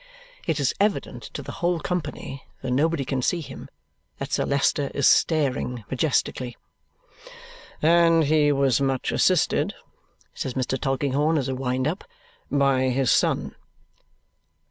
It is evident to the whole company, though nobody can see him, that Sir Leicester is staring majestically. "And he was much assisted," says Mr. Tulkinghorn as a wind up, "by his son."